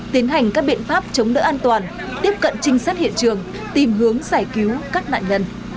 tiến hành các biện pháp chống đỡ an toàn tiếp cận trinh sát hiện trường tìm hướng giải cứu các nạn nhân